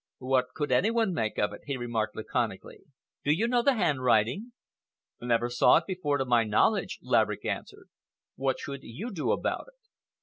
"What could any one make of it?" he remarked, laconically. "Do you know the handwriting?" "Never saw it before, to my knowledge," Laverick answered. "What should you do about it?"